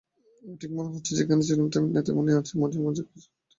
ঠিক মনে হচ্ছে যেমন এখানে ছিলুম তেমনি আছি– মাঝে যা-কিছু ঘটেছে সমস্ত স্বপ্ন।